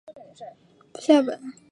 校本部位于日本千叶县千叶市。